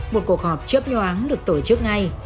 một cuộc họp chớp nhoáng được tổ chức ngay